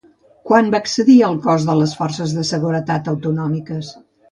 Quan va accedir al cos de les forces de seguretat autonòmiques?